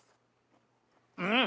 うん！